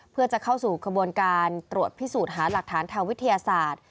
เพื่อจะเข้าสู่ขบวนการตรวจพิสูจน์หาหลักฐานทางวิทยาศาสตร์